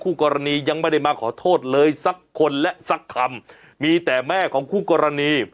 กรณียังไม่ได้มาขอโทษเลยสักคนและสักคำมีแต่แม่ของคู่กรณี